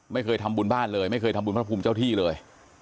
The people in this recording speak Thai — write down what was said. ไม่เคยทำบุญบ้านเลยไม่เคยทำบุญพระภูมิเจ้าที่เลย